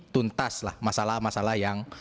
tuntas lah masalah masalah yang